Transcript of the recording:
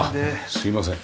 すいません。